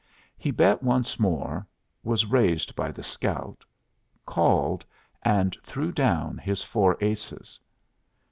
He bet once more, was raised by the scout, called, and threw down his four aces.